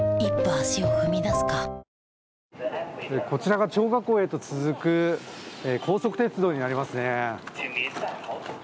こちらが張家口へと続く高速鉄道になりますね。